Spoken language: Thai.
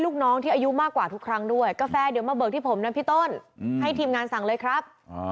ขอบคุณสารวัฒน์ครับ